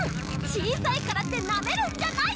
小さいからってなめるんじゃないっちゃ！